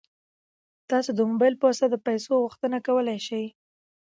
تاسو د موبایل په واسطه د پيسو غوښتنه کولی شئ.